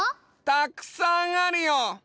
たっくさんあるよ！